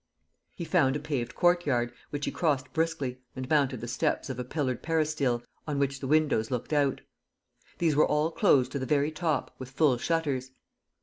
He found a paved courtyard, which he crossed briskly, and mounted the steps of a pillared peristyle, on which the windows looked out. These were all closed to the very top, with full shutters.